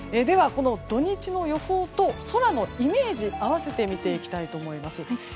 この土日の予報と空のイメージを併せて見ていきたいと思います。